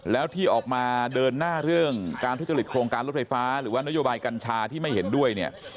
แล้วที่ออกมาเดินหน้าเรื่องการทุจริตโครงการรถไฟฟ้าหรือว่านโยบายกัญชาที่ไม่เห็นด้วยเนี่ย